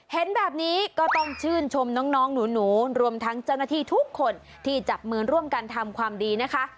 เห็นแบบนี้ก็ต้องชื่นชมน้องหนูรวมทั้งเจ้าหน้าที่ทุกคนที่จับมือร่วมกันทำความดีนะคะ